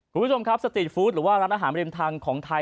คุณผู้ชมครับสตรีทฟู้ดหรือว่าร้านอาหารริมทางของไทย